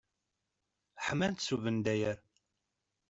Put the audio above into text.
Ḥman-tt s ubendayer.